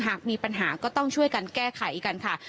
หากมีปัญหาก็ต้องช่วยกันแก้ไขกันค่ะ